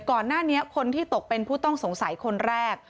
ก่อนหน้านี้คนที่ตกเป็นผู้ต้องสงสัยคนแรก